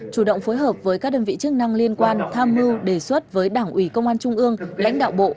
chủ động phối hợp với các đơn vị chức năng liên quan tham mưu đề xuất với đảng ủy công an trung ương lãnh đạo bộ